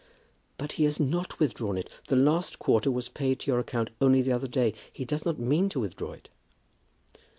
"But he has not withdrawn it. The last quarter was paid to your account only the other day. He does not mean to withdraw it."